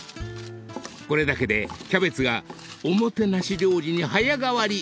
［これだけでキャベツがおもてなし料理に早変わり］